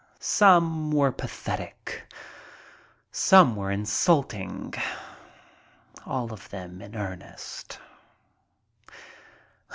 Some were pathetic. Some were insulting. All of them in earnest.